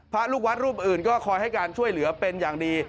พระลูกวัดรูปอื่นก็คอยให้การช่วยเหลือเป็นอย่างดี